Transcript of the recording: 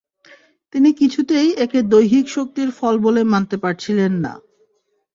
তিনি কিছুতেই একে দৈহিক শক্তির ফল বলে মানতে পারছিলেন না।